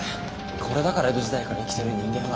これだから江戸時代から生きてる人間は。